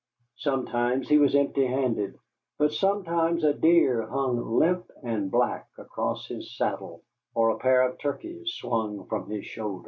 Sometimes he was empty handed, but sometimes a deer hung limp and black across his saddle, or a pair of turkeys swung from his shoulder.